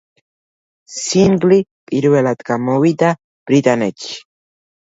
სინგლი პირველად გამოვიდა ბრიტანეთში.